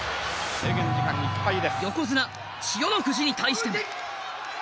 横綱千代の富士に対しても。